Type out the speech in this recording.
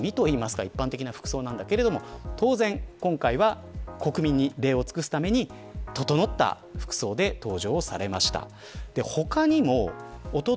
ＶＴＲにもありましたが普段は地味と言いますか一般的な服装だけれども当然、今回は国民に礼を尽くすために整った服装で登場されました。